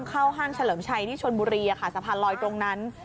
ห้างเฉลิมชัยที่ชนบุรีสะพานลอยตรงนั้น